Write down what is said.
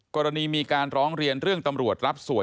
กรณีมีการร้องเรียนเรื่องตำรวจรับสวย